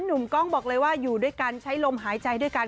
หนุ่มกล้องบอกเลยว่าอยู่ด้วยกันใช้ลมหายใจด้วยกัน